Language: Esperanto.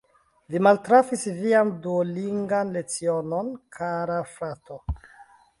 Vi maltrafis vian duolingan lecionon, kara frato.